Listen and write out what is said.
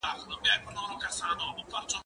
کېدای سي سينه سپين ستونزي ولري!؟